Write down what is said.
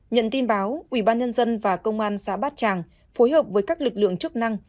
nhận tin báo ubnd và công an xã bát tràng phối hợp với các lực lượng chức năng